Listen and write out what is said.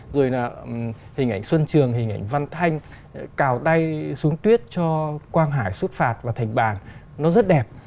rồi là hình ảnh xuân trường hình ảnh văn thanh cào tay xuống tuyết cho quang hải xuất phạt và thành bàn nó rất đẹp